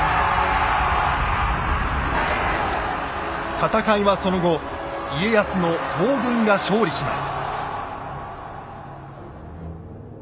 戦いはその後家康の東軍が勝利します。